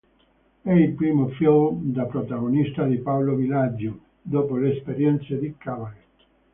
È il primo film da protagonista di Paolo Villaggio dopo le esperienze di cabaret.